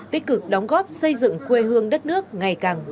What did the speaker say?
tích cực đóng góp xây dựng quê hương đất nước ngày càng văn minh giàu đẹp